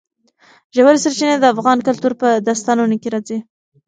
ژورې سرچینې د افغان کلتور په داستانونو کې راځي.